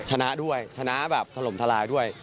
ชนะด้วยชนะแบบถล่มทลายด้วย